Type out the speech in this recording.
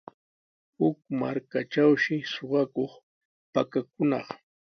Huk matraytrawshi suqakuq pakakunaq.